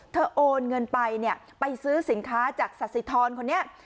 โอนเงินไปเนี่ยไปซื้อสินค้าจากสสิทรคนนี้